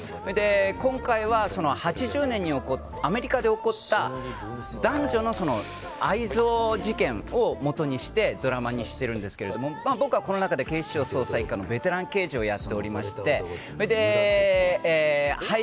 今回は８０年にアメリカで起こった男女の愛憎事件をもとにしてドラマにしてるんですけれども僕は、この中で警視庁捜査１課のベテラン刑事をやっておりまして。